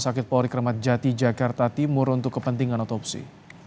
sakit polri kramat jati jakarta timur untuk kepentingan otopsi